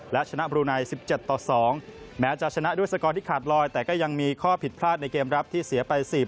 และชนะบรูไน๑๗๒